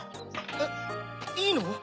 えっいいの？